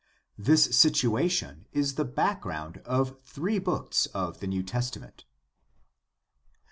This situation is the background of three books of the New Testament.